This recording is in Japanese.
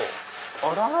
あら？